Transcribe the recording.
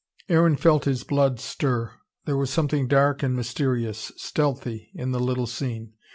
Aaron felt his blood stir. There was something dark and mysterious, stealthy, in the little scene.